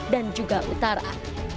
dan juga utara